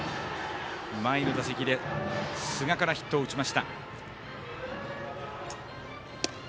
前の打席で寿賀からヒットを打ちました。